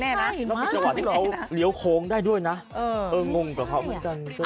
เอองุ่งกับเขาเหมือนกัน